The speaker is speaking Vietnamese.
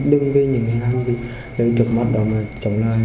đừng vì những hành vi lời trực mắt đó mà chống lại